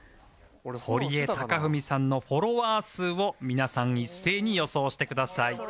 堀江貴文さんのフォロワー数を皆さん一斉に予想してください